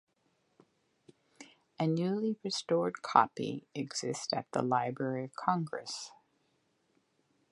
A newly restored copy exists at the Library of Congress.